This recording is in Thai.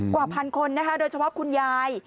กว่าพันคนนะคะโดยเฉพาะคุณยาย